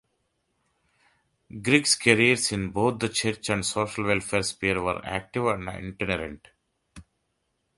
Griggs's careers in both the church and social welfare sphere were active and itinerant.